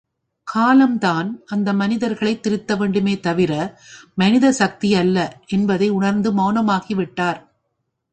காலம்தான் அந்த மனிதர்களைத் திருத்த வேண்டுமே தவிர மனித சக்தி அல்ல என்பதை உணர்ந்து மெளனமாகி விட்டார்.